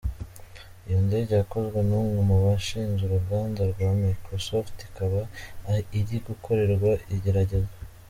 Iyi ndege yakozwe n’umwe mu bashinze uruganda rwa Microsoft ikaba iri gukorerwa igeragezwa.